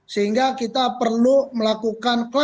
sehingga kita perlu melakukan